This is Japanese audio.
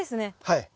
はい。